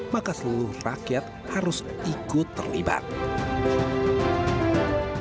maka seluruh rakyat harus ikut terlibat